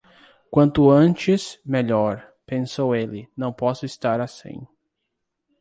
Quanto antes, melhor, pensou ele; não posso estar assim...